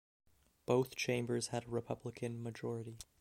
Both chambers had a Republican majority.